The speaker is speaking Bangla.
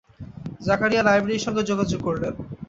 জাকারিয়া লাইব্রেরির সঙ্গে যোগাযোগ করলেন।